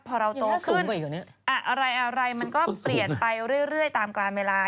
พอเราโตสูงอะไรอะไรมันก็เปลี่ยนไปเรื่อยตามกลางเวลา